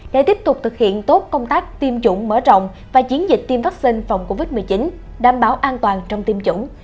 để tiếp tục thực hiện tốt công tác tiêm chủng mở rộng và chiến dịch tiêm vaccine phòng covid một mươi chín đảm bảo an toàn trong tiêm chủng